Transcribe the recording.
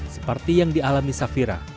seperti yang dialami safira